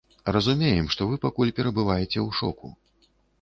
Разумеем, што вы пакуль перабываеце ў шоку.